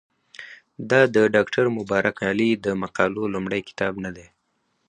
دا د ډاکټر مبارک علي د مقالو لومړی کتاب نه دی.